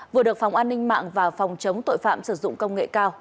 vừa được phòng an ninh mạng và phòng chống tội phạm sử dụng công nghệ cao